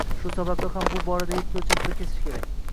Shu sababli ham bu borada yetti o‘lchab, bir kesish kerak